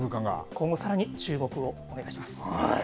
今後、さらに注目をお願いします。